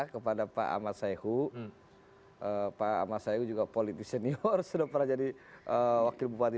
kepada pak ahmad sayhu pak ahmad sayhu juga politisi senior sudah pernah jadi wakil bupati